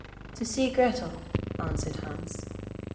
'To see Grettel,' answered Hans.